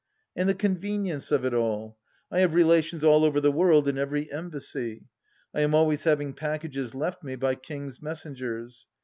And the convenience of it all I I have relations all over the world, in every Embassy. I am always having packages left me by King's messengers.